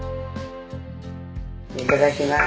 いただきまーす。